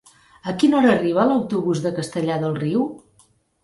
A quina hora arriba l'autobús de Castellar del Riu?